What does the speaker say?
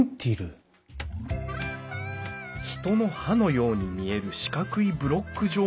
人の歯のように見える四角いブロック状の模様のこと。